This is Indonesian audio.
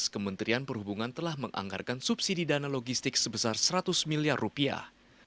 kementerian perhubungan telah menganggarkan subsidi dana logistik sebesar seratus miliar rupiah